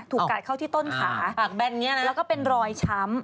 ถูกกัดเข้าที่ต้นขาแล้วก็เป็นรอยช้ำ